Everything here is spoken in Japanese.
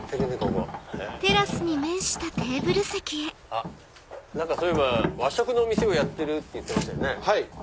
あっそういえば和食の店をやってるって言ってましたよね。